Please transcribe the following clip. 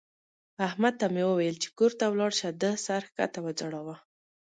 احمد ته مې وويل چې کور ته ولاړ شه؛ ده سر کښته وځړاوو.